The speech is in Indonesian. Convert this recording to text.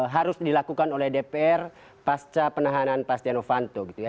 harus dilakukan oleh dpr pasca penahanan pastiano vanto gitu ya